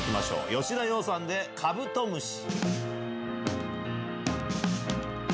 吉田羊さんでカブトムシ。